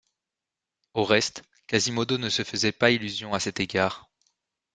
Au reste, Quasimodo ne se faisait pas illusion à cet égard.